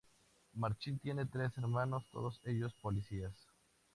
Marcin tiene tres hermanos, todos ellos policías.